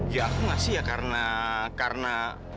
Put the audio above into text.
ya aku ngasih ya karena karena